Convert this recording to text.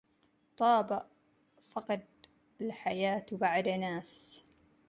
طاب فقد الحياة بعد أناس